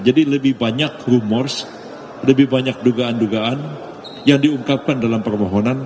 jadi lebih banyak rumours lebih banyak dugaan dugaan yang diungkapkan dalam permohonan